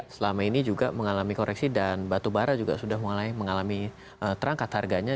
selama ini juga mengalami koreksi dan batu bara juga sudah mulai mengalami terangkat harganya